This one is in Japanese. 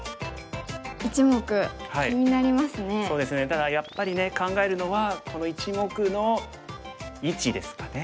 だからやっぱりね考えるのはこの１目の位置ですかね。